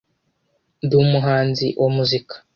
ndi umuhanzi wa muzika